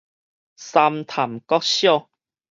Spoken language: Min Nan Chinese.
三潭國小